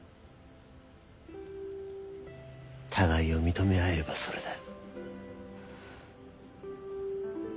互いを認め合えればそれで。